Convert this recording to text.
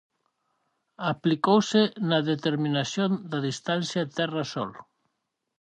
Aplicouse na determinación da distancia Terra-Sol.